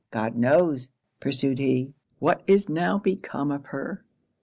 'God knows,' pursued he, 'what is now become of her!